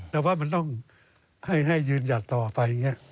แต่ว่ามันต้องให้ยืนหยัดต่อไป